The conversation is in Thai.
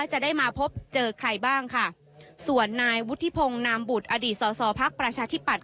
จะได้มาพบเจอใครบ้างค่ะส่วนนายวุฒิพงศ์นามบุตรอดีตสอสอพักประชาธิปัตย